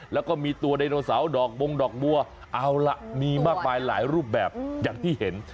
แล้วก็มีตัวไดโนเสาร์ดอกบงดอกบัวเอาล่ะมีมากมายหลายรูปแบบอย่างที่เห็น